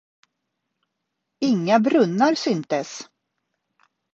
Inga brunnar syntes.